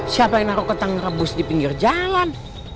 siapa yang naruh ketang rebus di pinggir jalan